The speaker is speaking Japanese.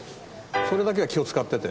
それだけは気を使ってて。